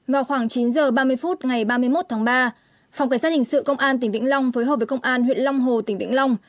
vào khoảng chín h ba mươi phút ngày ba mươi một tháng ba phòng cảnh sát hình sự công an tỉnh vĩnh long phối hợp với công an huyện long hồ tỉnh vĩnh long